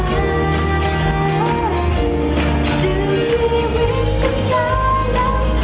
มีเวลาให้หัวใจก็สายลงได้ช้างทาย